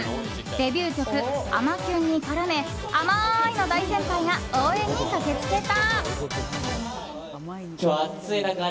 デビュー曲「あまキュン」に絡めあまい！の大先輩が応援に駆け付けた。